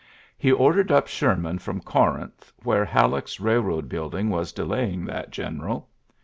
He ordered up Sherman from Corinth where Hal leck's railroad building was delaying that general.